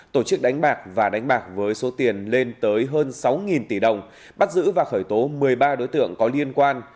tổ chức đánh bạc và đánh bạc với số tiền lên tới hơn sáu tỷ đồng bắt giữ và khởi tố một mươi ba đối tượng có liên quan